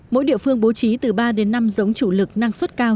mỗi địa phương bố trí từ ba đến năm giống chủ lực năng suất cao